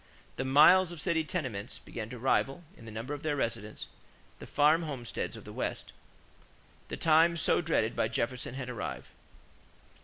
The miles of city tenements began to rival, in the number of their residents, the farm homesteads of the West. The time so dreaded by Jefferson had arrived.